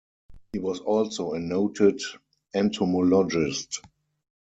He was also a noted entomologist.